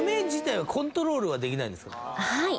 はい！